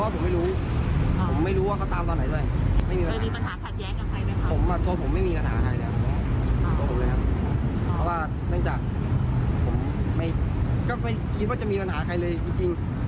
ถึงว่าไม่ได้วางตัวไม่ได้ฟังกันตัวอะไรเลยดิ